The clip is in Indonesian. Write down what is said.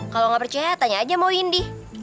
kalau nggak percaya tanya aja mau indi